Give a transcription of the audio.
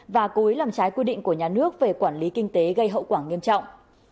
và cố ý làm trái quy định của nhà nước về quản lý kinh tế gây hậu quả nghiêm trọng